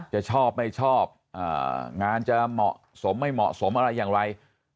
จะชอบไม่ชอบงานจะเหมาะสมไม่เหมาะสมอะไรอย่างไร